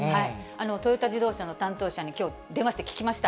トヨタ自動車の担当者にきょう、電話して聞きました。